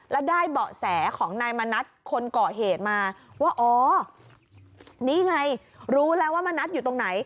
แล้วได้เบาะแสของนายมณัฐคนก่อเหตุมาว่าอ๋อนี่ไงรู้แล้วว่ามณัฐอยู่ตรงไหน